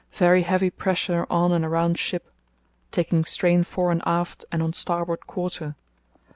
Very heavy pressure on and around ship (taking strain fore and aft and on starboard quarter).